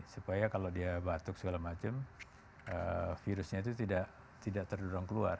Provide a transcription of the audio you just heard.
supaya kalau dia batuk segala macam virusnya itu tidak terdorong keluar